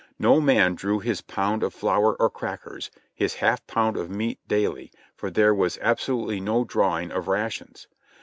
No man drew his pound of flour or crackers, his half pound of meat daily, for there wa^ absolutely no drawing of rations.